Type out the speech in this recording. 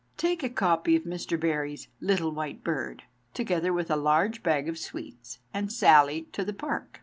Take a copy of Mr. Barrie's " Little White Bird," together with a large bag of sweets, and sally to the park.